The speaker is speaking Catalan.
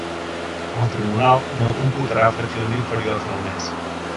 El tribunal no computarà fraccions inferiors al mes.